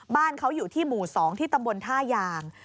บ้านเขาอยู่ที่หมู่๒ที่ตำบลท่ายาง